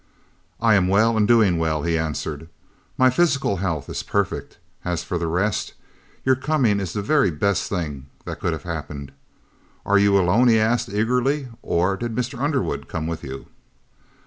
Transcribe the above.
"I am well and doing well," he answered; "my physical health is perfect; as for the rest your coming is the very best thing that could have happened. Are you alone?" he asked, eagerly, "or did Mr. Underwood come with you?"